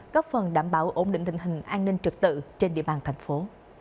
góp phần đảm bảo ổn định tình hình an ninh trực tự trên địa bàn thành phố